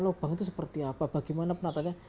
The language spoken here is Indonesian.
lubang itu seperti apa bagaimana penataannya